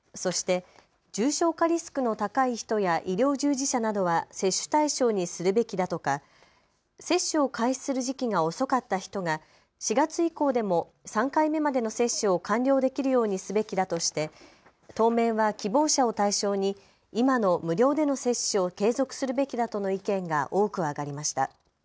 そして、重症化リスクの高い人や医療従事者などは接種対象にするべきだとか、接種を開始する時期が遅かった人が４月以降でも３回目までの接種を完了できるようにすべきだとして当面は希望者を対象に今の無料での接種を継続するべきだとの意見が多く挙がりました。